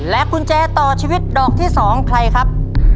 กุญแจต่อชีวิตดอกที่๒ใครครับ